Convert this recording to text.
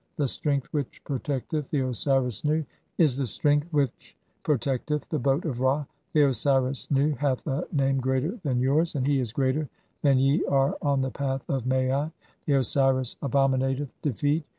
The strength which protecteth "the Osiris Nu is the strength which protecteth the boat of Ra. "The Osiris Nu (8) hath a name greater than yours, and he is "greater than ye are on the path of Maat ; the Osiris abominat "eth defeat